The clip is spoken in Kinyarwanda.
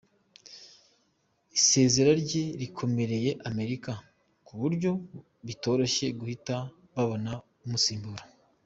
Isezera rye rikomereye Amerika ku buryo bitoroshye guhita babona umusimbura.